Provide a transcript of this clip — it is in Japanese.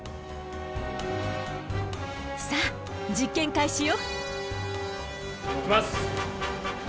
さあ実験開始よ！